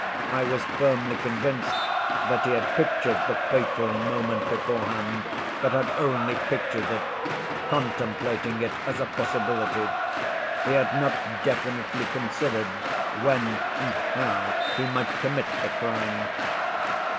I was firmly convinced that he had pictured the fatal moment beforehand, but had only pictured it, contemplating it as a possibility. He had not definitely considered when and how he might commit the crime.